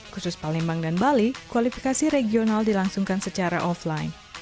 khusus palembang dan bali kualifikasi regional dilangsungkan secara offline